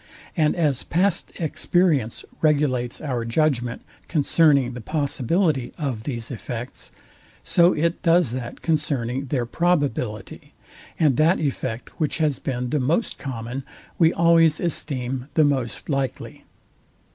And as past experience regulates our judgment concerning the possibility of these effects, so it does that concerning their probability; and that effect, which has been the most common, we always esteem the most likely.